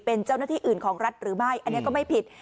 เป็นเจ้าหน้าที่อื่นของรัฐหรือไม่อันนี้ก็ไม่ผิด